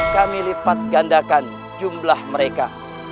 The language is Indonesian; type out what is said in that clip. kami lipat gandakan jumlah mereka